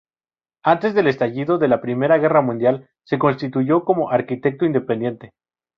Antes del estallido de la Primera Guerra Mundial se constituyó como arquitecto independiente.